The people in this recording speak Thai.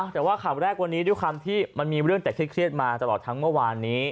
แต่ว่าข่าวแรกวันนี้ด้วยความที่มันมีเรื่องแต่เครียดมาตลอดทั้งเมื่อวานนี้